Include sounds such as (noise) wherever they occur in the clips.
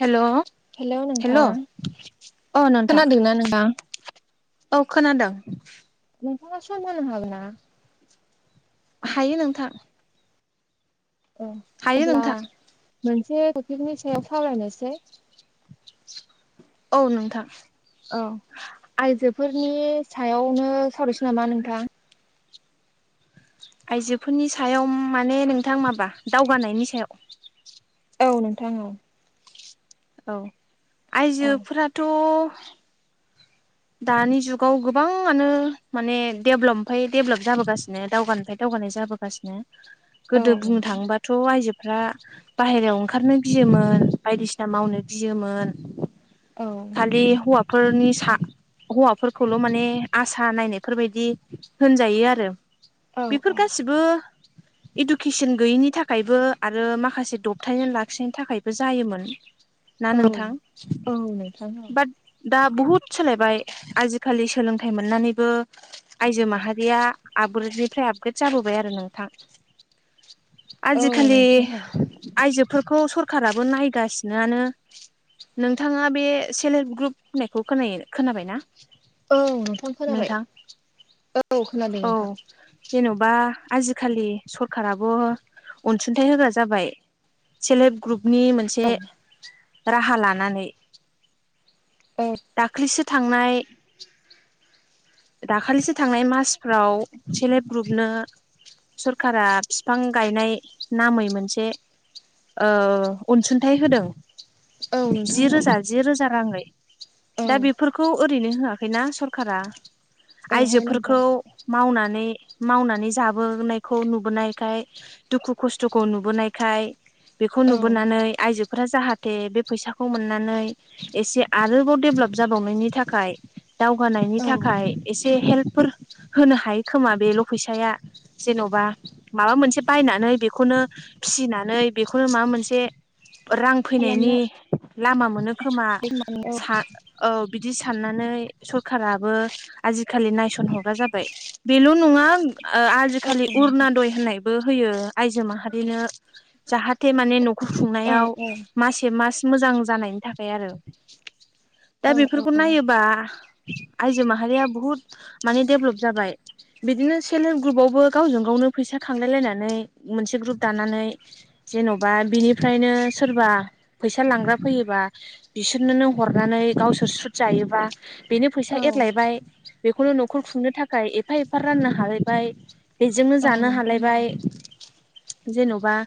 हेल' hello hello नोंथां औ नोंथां खोनादोंना नोंथां? औ खोनादों। नोंथाङा सम होनो हागोनना? हायो नोंथां। औ हायो अब्ला नोंथां मोनसे टपिकनि सायाव सावरायनोसै। औ नोंथां औ आइजोफोरनि सायावनो सावरायसै नामा नोंथां? आइजोफोरनि सायाव माने नोंथां माबा दावगानायनि सायाव। औ नोंथां औ औ औ आइजोफोराथ' दानि जुगाव गोबाङानो माने डेभलप निफ्राय दडेभेलप जाबोगासिनो दावगानो ओमफ्राय दावगानाय जाबोगासिनो। (inaudible) गोदो बुंनो थाङोबाथ' आयजोफ्रा बाहेरायाव ओंखारनो गियोमोन बायदिसिना मावनो गियोमोन। औ खालि हौवाफोरनि सा हौवाफोरखौल' माने आसा नायनायफोरबायदि होनजायो आरो। औ बेफोर औ गासिबो इडुकेसन गैयिनि थाखायबो आरो माखासे दबथायनानै लाखिनायनि थाखायबो जायोमोन। ना औ नोंथां औ नोंथां बाट दा बुहुद सोलायबाय आजिखालि सोलोंथाइ मोननानैबो आइजो माहारि माहारिया आपग्रेडनिफ्राय आपग्रेद जाबोबाय आरो नोंथां। औ आजिखालि नोंथां औ आइजोफोरखौ सरखाराबो नायगासिआनो। नोंथाङा बे सेल्फ हेल्प ग्रुप होननायखौ खोना खोनाबाय ना? औ नोंथांनो खोनाबाय औ खोनादों औ नोंथां। जेन'बा आजिखालि सरखाराबो अनसुंथाइ होग्रा जाबाय। सेल्फ हेल्प ग्रुपनि मोनसे राहा लानानै औ दाख्लिसो थांनाय (inaudible) दाखालिसो थांनाय मासफ्राव सेल्फ हेल्प ग्रुपनो सरखारा बिफां गायनाय नामै मोनसे ओ अनसुंथाइ होदों। औ नोंथां जि औ रोजा जि रोजा राङै औ दा ओहो बेफोरखौ ओरैनो होआखैना सरखारारा नोंथां आइजोफोरखौ मावनानै मावनानै जाबोनायखौ नुबोनायखाय दुखु खस्थ'खौ नुबोनायखाय बेखौ औ नुबोनानै आयजो फोरा जाहाथे बे फैसाखौ मोननानै एसे आरोबाव डेभलप जाबावनायनि थाखाय थाखाय दावगानायनि औ खालामनो औ थाखाय एसे हेल्पफोर होनो हायो खोमा बेल' फैसाया जेन'बा माबा मोनसे बायनानै बेखौनो फिनानै बेखौनो माबा मोनसे रां फैनायनि लामा मोनो खोमा औ बि बिदि साननानै सरखाराबो आजिखालि नायसन हरग्रा जाबाय बेल नङा आ खालि उरनादय होननायबो होयो आइजो माहारिनो जाहाथे माने न'खर खुंनायाव मसे मास मोजां जानायनि थाखाय आरो औ खौ नायोबा आइजो माहारिया बुहुत माने डेभलप जाबाय बिदिनो सेल्फ हेल्प ग्रुपावबो गावजों गावनो फैसा खांलाय लायनानै मोनसे ग्रुप दानानै जेन'बा बिनिफ्रायनो सोरबा फैसा लांग्रा फैयोबा बिसोरनो नों हरनानै गावसोर सुद जायोबा बेनो औ फैसा एरलायबाय बेखौनो न'खर खुंनो थाखाय एफा एफा राननो हालायबाय बेजोंनो औ जानो नोंथां औ हालायबाय जेन'बा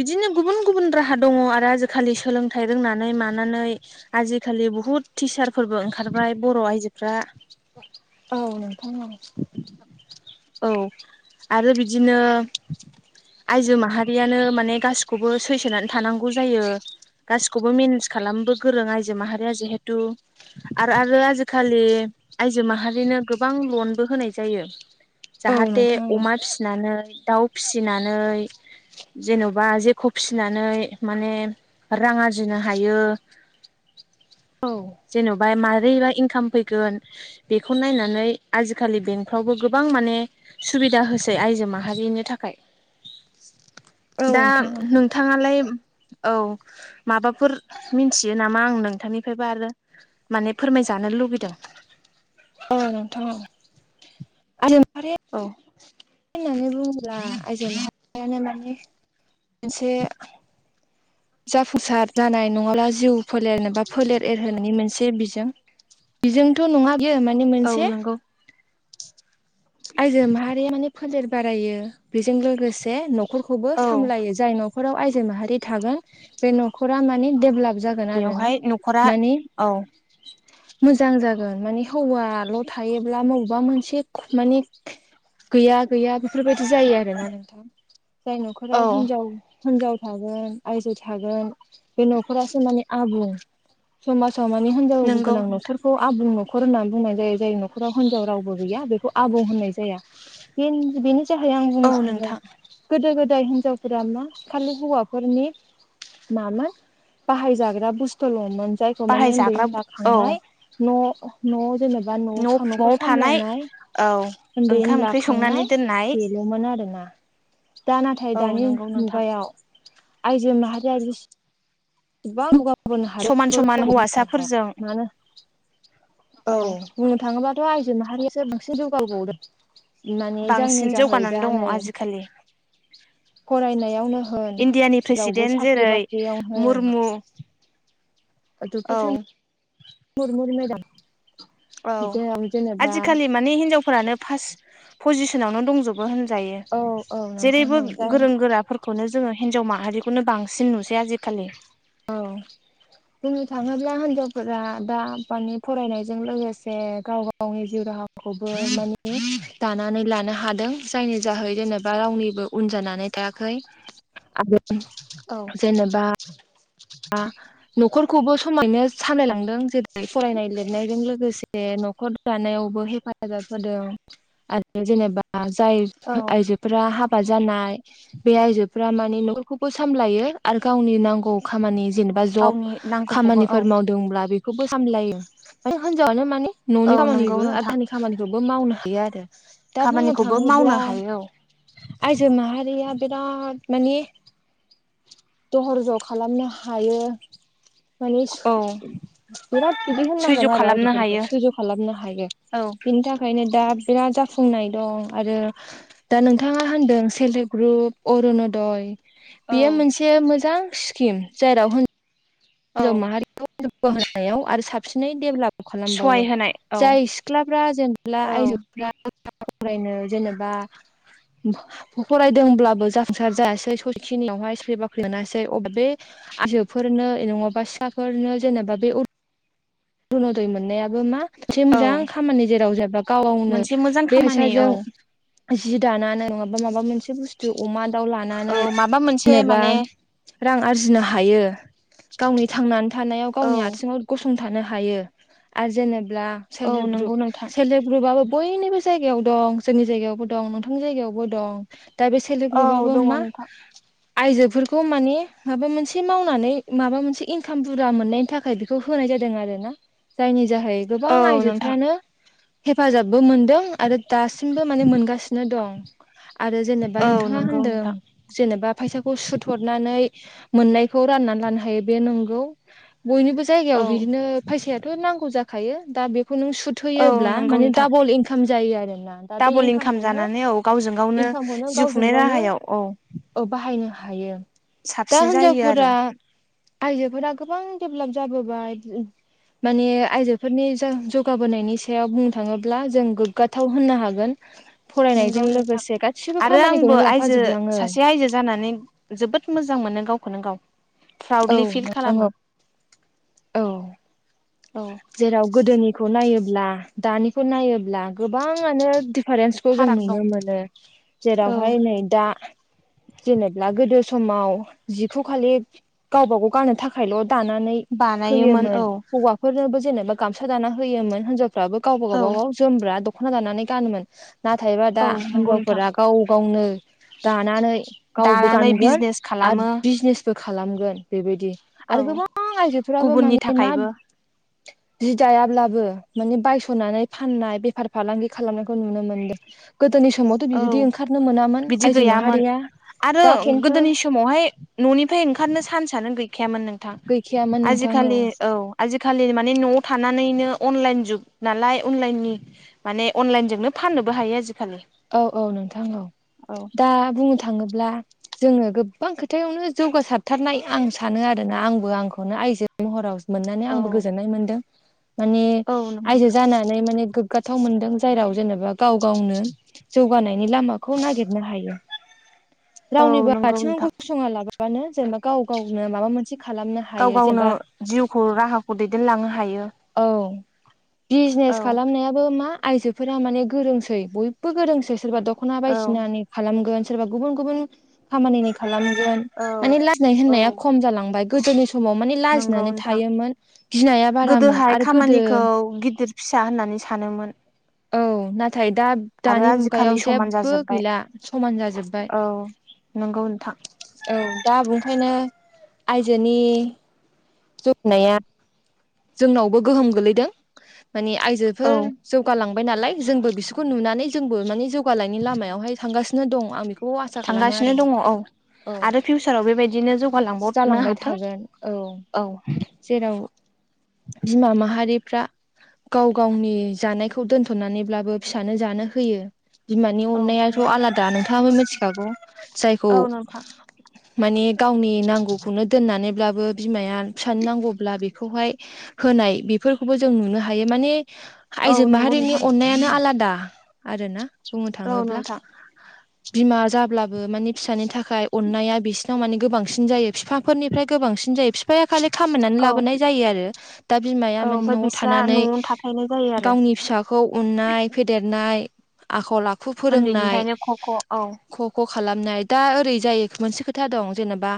बिदिनो गुबुन गुबुन राहा दङ आरो आजिखालि सोलोंथाइ रोंनानै मानानै आजिखालि बुहुद टिचारफोरबो ओंखारबाय बर' आयजोफ्रा औ नोंथांनाव औ आरो बिदिनो आयजो माहारियानो माने गासिखौबो सैसोनानै थानांगौ जायो गासिखौबो मेनेज खालामबो गोरों आइजो माहारिया जिहेथु आरो आरो आजिखालि आयजो माहारिनो गोबां लनबो होनाय जायो औ जाहाथे नोंथां अमा फिसिनानै दाउ फिसिनानै जेन'बा जेखौ फिसिनानै माने रां आरजिनो हायो औ जेन'बा मारोरैबा इनकाम फैगोन बेखौ नायनानै आजिखालि बेंकफ्रावबो गोबां माने सुबिदा होसै आइजो माहारिनि थाखाय (unintelligible) दा न औ नोंथाङालाय औ माबाफोर मिथियो नामा आं नोंथांनि बेफफ्रायबा आरो माने फोरमायजानो लुुबैदों गोजोनांथां आरो ओ औ बुङोब्ला आइजोनि सानो माने मोनसे जाफुंसार जानाय नङाब्ला जिउ फोलेरनो बा फोलेर एरहोनायनि मोनसे बिजों बेजोंथ' नङा बियो माने औ मोनसे नंगौ आयजो माहारि माने फोलेर बारायो बेजों लोगोसे न नखौबो औ सामलायो जाय न'खराव आइजो माहारि थागोन बे न'खरा माने देभेलप जागोन बेवहाय जोनारना न'खरा मानि औ मोजां जागोन माने हौवाल' थायोब्ला बबेबा मोनसे माने गैया गैया बेफोरबायदि जायो आरोोना नोंथां जाय न'खराव औ हिनजाव हिनजाव थागोन आयजो थागोन बे न'फोररासो माने आबुं समाजावमानि हिनजाव नंगौ गोनां नोंथां न'खर खौ आबुं नखर होननानै बुंनाय जायो जाय नखराव हिनजाव रावबो गैया बेखौ आबुं होननाय जाया बेनि जाहै आं बुंनो औ सानो नोंथां गोदो गोदाय हिनजावफोरा मा खालि हौवाफोरनि मामोन बाहायजाग्रा बुस्थुलङमोन जायखौ मानिे उन्दै बाहायजाग्रा उला औ खांनाय न' न'आव जेनेबा न' न'आव न'ख थानाय सामलायनाय औ ओंखाम-ओंख्रि संनानै दोननाय मोनो आरोना दा नाथाय औ दानि नंगौ नोंथां मुगायाव आइजो माहारिया जिसेबां बिबां समान समान (inaudible) हाया हौवासाफोरजों मानो औ बुंनो थाङोबाथ' आइजो माहारियासो बांसिन जौगाबावदों। माने जायनि बांसिन जाहै जौगानानै दा दङ नै आजिखालि फरायनायावनो होन इण्डियानि जावबो प्रेसिडेन्ट जेरै साख्रि-बाख्रियावनो मुरमु औ होन (inaudible) (unintelligible) औ जेराव जेनेबा आजिखालि मानि हिनजावफोरानो फार्ट पजिसनावनो दंजो बो होनजायो औ औ नोंथां जेरैबो औ जाय गोरों-गोराफोर खौनो जोङो हिन्जाव माहारिखौनो बांसिन नुसै आजिखालि औ। बुंनो थाङोब्ला हिनजावफोरा दा माने फरायनायजों लोगोसे गाव गाव गावनि जिउ राहाखौबो माने दानानै लानो हादों जायनि जाहै जेनेबा रावनिबो उन जानानै थायाखै (inaudible) औ। जेनेबा (unintelligible) न'खरखौबो समायनो सालायलांदों जेरै फरायनाय लिरनायजों लोगोसे न'खर लानायावबो हेफाजाब होदों आरो जेनेबा जाय औ आइजो फ्रा हाबा जानाय बे आइजोफोरा मानि न'खरखौबो सामलायो आरो गावनि नांगौ खामानि जेनबा ज' गावनि नांगौखौबो औ खामानिफोर माव दोंब्ला बेखौबो सामायो (unintelligible) माने हिनजावनो माने न'नि औ नंगौ खामानिबो नोंथां आधानि खामानि खौबो मावनो होयो आरो दा बुंनो खामानिखौबो थाङोब्ला मावनो हायो औ आइजो माहारिया बिराद माने दहर जखा खालामनो हायो माने औ बिराद बिदि सैज' होननांगोन आरो खालामनो आइजोफोरखौ हायो सैज' खालामनो हायो औ बिनि थाखाय ओंखायनो दा बिराद जाफुंनाय दं आरो दा नोंथाङा होन्दों सेल्फ हेल्प ग्रुप अरुनदय औ बेयो मोनसे मोजां स्किम जायेराव हिनजाव औ माहारिखौ जौगा होनायाव आरो साबसिनै डेभेलप सहाय खालामबावो होनाय औ जाय सिख्लाफ्रा जेनेब्ला औ आइजो (unintelligible) फरायनो जेनेबा (inaudible) फरायदोंब्लाबो जाफुंसार जायासै सखिनियावहाय साख्रि- बाख्रि मोनासै अ बे आइजोफोरनो नङाबा फिसाफोरनो जेनेबा बे अ रुन'दय मोननायाबो मा मोनसे औ मोजां खामानि जेराव जेनबा गावगावनो मोनसे मोजां बे खामानि (unintelligible) औ जों जि दानानै नङाबा माबा मोनसे बुस्थु अमा, दाउ, औ लानानै माबा मोनसे जेनेबा माने रां आरजिनो हायो गावनि थांनानै थानायाव औ गावनि आथिङाव गसं थानो हायो आरो जेनेबा औ सेल्प हेल्प ग्रुप नंगौ नोंथां सेल्फ हेल्प ग्रुपआबो बयनिबो जायगायाव दं जोंनि जायगायावबो दं नोंथांनि जायगायावबो दं दा बे से प्ल हेल्प औ ग्रुपाबो दङ मा नोंथां आइजोफोरखौ माने माबा मोनसे मावनानै माबा मोनसे इनकाम बुरजा मोननायनि थाखाय बेखौ होनाय जादों। दों आरोना जायनि जाहै गोबां औ नोंथां आइजोफ्रानो हेफाजाबबो मोनदों आरो दासिमबो माने मोनगासिनो दं आरो जेनेबा औ नोंथाङा नंगौ होनदों नोंथां जेनेबा फैसाखौ सुथहरनानै मोननायखौ राननानै लानो हायो बे नंगौ। बयनिबो औ जायगायाव बिदिनो फायसायाथ' नांगौ जाखायो दा बेखौ नों सुद औ थैयोब्ला नंगौ माने नोंथां दाबल इंकाम जायो आरोना दा बे डाबल इनकाम इंकामखौनो जानानै औ गावजों गावनो इंकामखौनो जिउ गावसो खुंनाय राहायाव औ। औ बाहायनो हायो दा साबसिन जायो आरो हिनजावफोरा आइजोफोरा गोबां डेभेलप जाबोबाय माने आइजोफोरनि जों जौगाबोनायनि सायाव बुंनो थाङोब्ला जों गोग्गाथाव होननो हागोन। नोंगौ फरायनायजों नोंथां लोगोसे गासिबो आरो खामानिखौनो आंबो आइजो लाफाजोबलाङो सासे आयजो जानानै जोबोद मोजां मोनो गावखौनो गाव औ पउडलि फिल नोंथां औ खालामो औ औ जेराव गोदोनिखौ नायोब्ला दानिखौ नायोब्ला गोबाङानो डि फारेन्सखौ जों फाराग दं नुनो मोनो औ जेरावहाय नै दा जेनेबा गोदो समाव जिखौ खालि गावबा गाव गानानो थाखायल' दानानै हो बानायोमोन औ हौवाफोरनोबो जेनेबा गामसा दाना होयोमोन हिनजावफ्राबो गाव गावबा औ गाव जोमग्रा दख'ना दानानै गानोमोन नाथायबा औ दा नंगौ नोंथां हिनजावफोरा गाव गावनो दानानै गावबो दानानै गानगोन बिजनेस आरो खालामो बिजनेस बो खालामगोन बेबायदि औ आरो गोबां आइजोफोराबो गुबुननि माने मा थाखायबो जि दायाब्लाबो माने बायस'नानै फाननाय बेफार फालांगि खालामनायखौ नुनो मोनदों गोदोनि समावथ' बिबायदि औ ओंखारनो मोनामोन बिदि आयजो गैयामोन माहारिया आरो दा खिन्थु गोदोनि समावहाय न'निफ्राय ओंखारनो सान्सनो गैखायामोन नोंथां गैखायामोन नोंथां आजिखालि औ आजिखालि माने न'आव थानानैनो अनलाइन जुग नालाय अनलाइननि माने अनलाइनजोंनो फाननोबो हायो आजिखालि औ औ नोंथां औ औ दा बुंनो थाङोब्ला जोङो गोबां खोथायावनो जौगासारथारनाय आं सानो आरोना आंबो आंखौनो आइजो महराव मोननानै आंबो गोजोननाय मोन्दों माने औ नंगौ आइजो जानानै माने गोग्गाथाव मोनदों जायराव जेनेबा गाव गावनो जौगानायनि लामाखौ नागिरनो हायो औ रावनिबो नंगौ आथिङाव नोंथां गसङा लाबोबानो जेनेबा गाव गावनो माबा मोनसे खालामनो गाव हायो गावनो जेनेबा जिउखौ राहाखौ दैदेनलांनो हायो औ बिजनेस औ खालामनायाबो मा आइजोफोरा माने गोरोंसै बय बो गोरोंसो सोरबा दख'ना औ बायदिनानि खालामगोन सोरबा गुबुन गुबुन खामानिनि खालामगोन औ माने लाजनाय औ होननाया खम जालांबाय गोदोनि सम समाव माने नंगौ लाजिनानै नोंथां थायोमोन गिनाया बारामोन आरो गोदो औ गिदिर फिसा होननानै सानोमोन औ नाथाय दा आरो दानि आजिखालि मुगायाव समान जेबो जाजोब्बाय गैला समान जाजोब्बाय औ नंगौ नोंथां औ दा बुखायनो आइजोनि जौनाया जोंनावबो गोहोम गोलैदों माने औ आइजोफोर जौगालांबाय नालाय जोंबो बिसोरखौ नुनानै जोंबो माने जौगालांनि लामायावहाय थांगासिनो दं आं बे खौ आसा खालामो आरो थांगासिनो दङ औ नोंथां औ आरो फिउचाराव बेबायदिनो जौगालांबावनो जालांबाय हाथों थागोन औ जेराव बिमा माहारिफ्रा गाव गावनि जानायखौ दोन्थ'नानैब्लाबो फिसानो जानो होयो बिमानि औ अननायाथ' नंगौ आलादा नोंथाङाबो मिथिखागौ जायखौ औ नोंथां माने गावनि नांगौखौनो दोननानैब्लाबो बिमाया फिसानि नांगौब्ला बेखौहाय होनाय बेफोरखौबो जों नुनो हायो माने औ आइजो नंगौ माहारिनि नोंथां अननायानो आलादा आरो ना बुंनो औ थाङोब्ला नोंथां बिमा जाब्लाबो मानि फिसानि थाखाय अननाया बिसिनाव मानि गोबांसिन जायो फिफा फोरनिफ्राय गोबांसिन जायो फिफाया खालि खामायनानै औ लाबोनाय जायो आरो दा बिमाया औ माने ओमफ्राय न'आव बिस्रा थानानै न'आवनो थाखायनाय जायो आरो गावनि फिसा खौ उननाय फेदेरनाय आखल आखु फोरोंनाय उन्दैनिफ्रायनो ख ख औ ख' ख' खालामनाय दा ओरै जायो मोनसे खोथा दं जेनेबा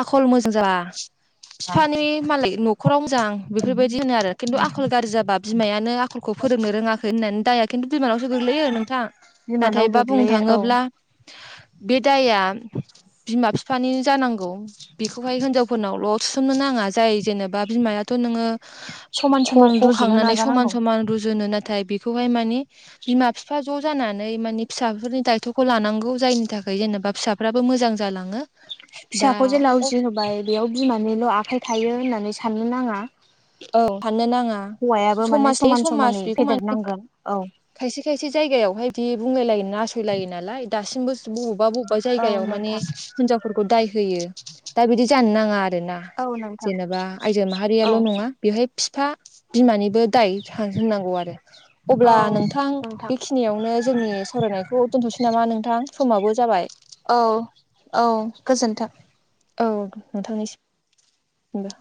आखल मोजां जाबा हा बिफानि (unintelligible) न'खराव मोजां बेफोरबायदि होनो आरो खिन्थु आखल गाज्रि जाबा बिमायानो आखलखौ फोरोंनो रोङाखै होननानै दाया खिन्थु बिमानावसो गोग्लैयो नोंथां नाथाय बिमानाव बा बुंनो गोग्लैयो औ थाङोब्ला बे दाया बिमा बिफानिनो जानांगौ बेखौहाय हिनजावफोरनावल' थुसोमनो नाङा जाय जेनेबा बिमायाथ' नोङो समान ख समान ख रुजुनो खांनानै समान नाजानांगौ समान रुजुनो नाथाय बेखौहाय मानि बिमा बिफा ज' जानानै मानि फिसाफोरनि दायथ'खौ लानांगौ जायनि थाखाय जेनेबा फिसा फ्राबो मोजां जालाङो दा फिसाखौ जेला औ उजि होबाय बेयाव बिमानिल' आखाइ थायो होननानै साननो नाङा औ साननो नाङा हौवायाबो माने समाज बे समान समाज समानै बेखौ माने फेदेरनांगोन औ खायसे खायसे जायगायावहाय बिदि बुंलाय लायो नासयलायो नालाय दासिमबो (unintelligible) बबेबा औ जायगायाव माने नोंथां हिनजावफोरखौ दाय होयो दा बिदि जानो नाङा आरो ना औ नोंथां जेनेबा आयजो औ माहारियाल' नङा बेहाय बिफा बिमानिबो दाय था होननांगौ आरो अब्ला औ नोंथां बेखिनियावनो जोंनि सावरायनायखौ दोनथ'सै नामा नोंथां समाबो जाबाय औ औ गोजोन्थों औ नोंथांनिसिम बो